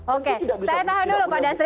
oke saya tahan dulu pak dasril